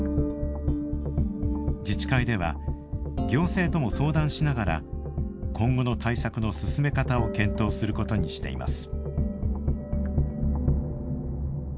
自治会では行政とも相談しながら今後の対策の進め方を検討することにしています。